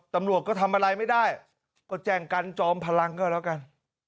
ตำรวจก็ทำอะไรไม่ได้ก็แจ้งกันจอมพลังก็แล้วกัน